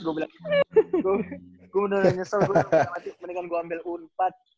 gue bilang gue beneran nyesel mendingan gue ambil unpat